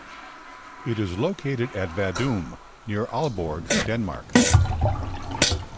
It is located at Vadum, near Aalborg, Denmark.